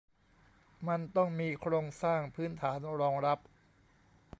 มันต้องมีโครงสร้างพื้นฐานรองรับ